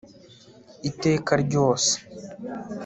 iteka ryose